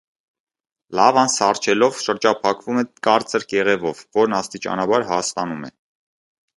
Լավան սառչելով՝ շրջափակվում է կարծր կեղևով, որն աստիճանաբար հաստանում է։